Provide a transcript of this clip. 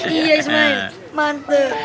iya ismail mantep